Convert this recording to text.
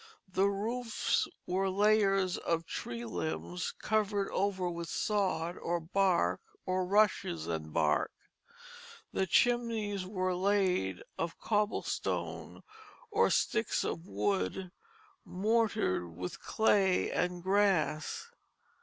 The roofs were layers of tree limbs covered over with sod, or bark, or rushes and bark. The chimneys were laid of cobblestone or sticks of wood mortared with clay and grass.